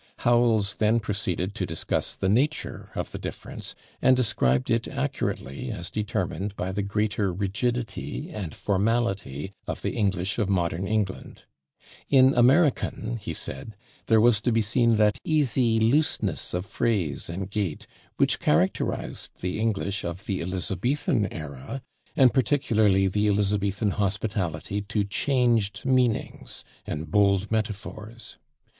" Howells then proceeded to discuss the nature of the difference, and described it accurately as determined by the greater rigidity and formality of the English of modern England. In American, he said, there was to be seen that easy looseness of phrase and gait which characterized the English of the Elizabethan era, and particularly the Elizabethan hospitality to changed meanings and bold metaphors.